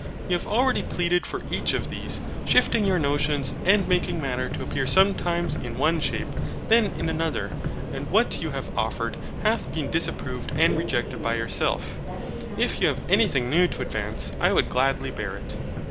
You have already pleaded for each of these, shifting your notions, and making Matter to appear sometimes in one shape, then in another. And what you have offered hath been disapproved and rejected by yourself. If you have anything new to advance I would gladly bear it.